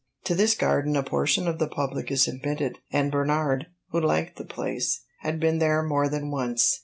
To this garden a portion of the public is admitted, and Bernard, who liked the place, had been there more than once.